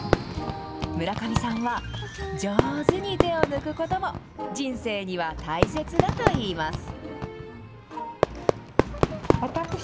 村上さんは、上手に手を抜くことも人生には大切だといいます。